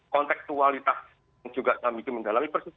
kontekstualitas yang juga kami mendalami persis